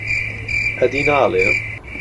ئەدی ناڵێم